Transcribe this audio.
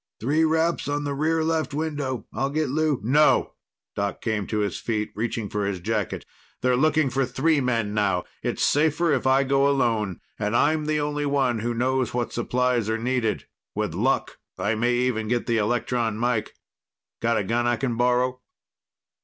"Three raps on the rear left window. I'll get Lou." "No!" Doc came to his feet, reaching for his jacket. "They're looking for three men now. It's safer if I go alone and I'm the only one who knows what supplies are needed. With luck, I may even get the electron mike. Got a gun I can borrow?"